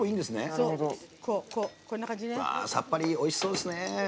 さっぱりおいしそうですね。